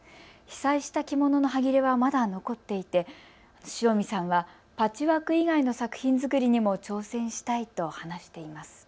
被災した着物のはぎれはまだ残っていてしおみさんはパッチワーク以外の作品作りにも挑戦したいと話しています。